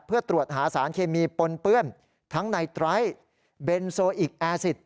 เพื่อตรวจหาสารเคมีปนเปื้อนทั้งในไตรเบนโซอิกแอร์สิทธ